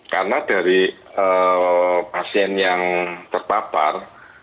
karena dari pasien yang terpapar